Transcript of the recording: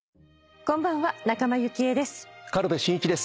こんばんは仲間由紀恵です。